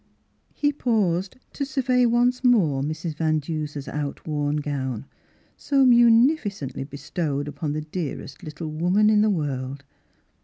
" He paused to survey once more Mrs. Van Duser's out worn gown, so munifi cently bestowed upon the dearest little woman in the world.